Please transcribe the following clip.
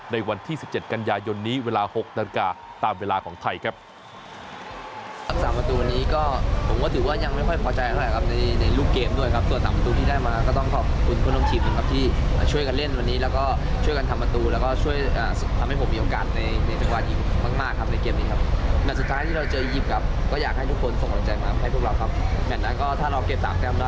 ในวันที่๑๗กันยายนนี้เวลา๖นาฬิกาตามเวลาของไทยครับ